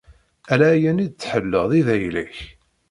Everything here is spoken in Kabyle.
Ala ayen i d-tḥellaḍ i d ayla-k.